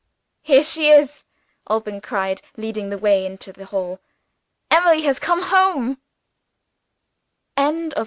"Here she is!" Alban cried, leading the way into the hall. "Emily has come home."